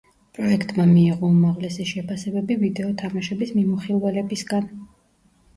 პროექტმა მიიღო უმაღლესი შეფასებები ვიდეო თამაშების მიმოხილველებისგან.